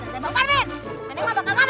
jangan tembak farmin